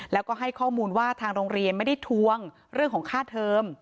แล้วก็ให้ข้อมูลว่าทางโรงเรียนไม่ได้ทวงเรื่องของค่าเทอม